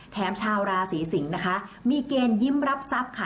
ชาวราศีสิงศ์นะคะมีเกณฑ์ยิ้มรับทรัพย์ค่ะ